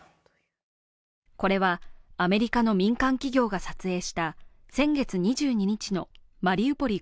これはアメリカの民間企業が撮影した先月２２日のマリウポリ